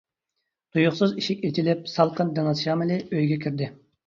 تۇيۇقسىز ئىشىك ئېچىلىپ، سالقىن دېڭىز شامىلى ئۆيگە كىردى.